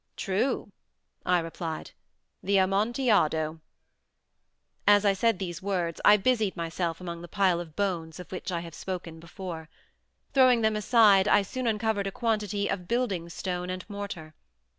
"True," I replied; "the Amontillado." As I said these words I busied myself among the pile of bones of which I have before spoken. Throwing them aside, I soon uncovered a quantity of building stone and mortar.